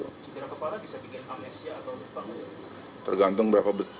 cedera kepala bisa bikin amnesia atau bersepamu ya